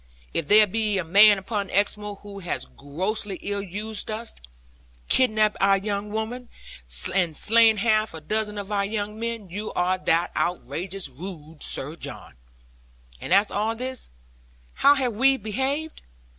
If there be a man upon Exmoor who has grossly ill used us, kidnapped our young women, and slain half a dozen of our young men, you are that outrageous rogue, Sir John. And after all this, how have we behaved?